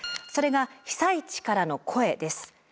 それが「被災地からの声」です。